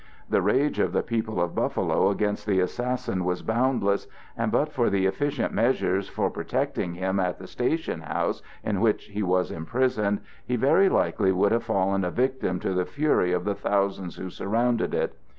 The rage of the people of Buffalo against the assassin was boundless, and but for the efficient measures for protecting him at the station house in which he was imprisoned, he very likely would have fallen a victim to the fury of the thousands who surrounded it.